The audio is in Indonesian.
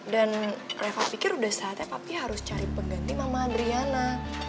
dan reva pikir udah saatnya papi harus cari peganti mama andrena